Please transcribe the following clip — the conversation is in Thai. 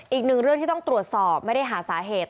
อีกหนึ่งเรื่องที่ต้องตรวจสอบไม่ได้หาสาเหตุ